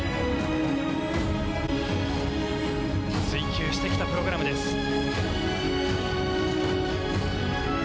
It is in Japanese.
追求してきたプログラムです。